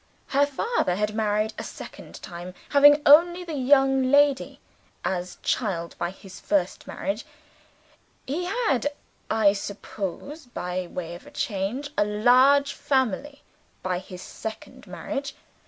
Her father had married a second time. Having only the young lady as child by his first marriage, he had (I suppose by way of a change) a large family by his second marriage.